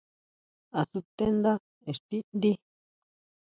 ¿Á sutendá íxtiʼndí?